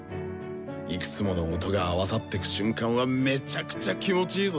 いくつもの音が合わさってく瞬間はめちゃくちゃ気持ちいいぞ。